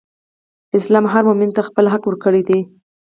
اسلام هر مؤمن ته خپل حق ورکړی دئ.